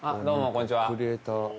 こんにちは。